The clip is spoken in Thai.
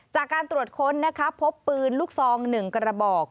จากการตรวจค้นนะคะพบปืนลูกซอง๑กระบอก